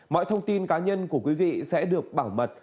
mọi thông tin cá nhân của quý vị sẽ được bảo mật